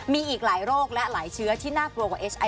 มีอีกหลายโรคและหลายเชื้อที่น่ากลัวกว่าเอสไอ